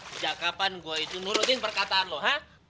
sejak kapan gue itu nurutin perkataan lo ha